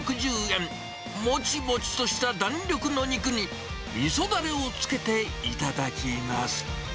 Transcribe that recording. もちもちとした弾力の肉に、みそだれをつけて頂きます。